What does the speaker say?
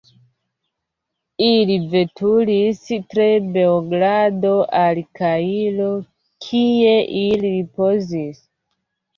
Ili veturis tra Beogrado al Kairo, kie ili ripozis.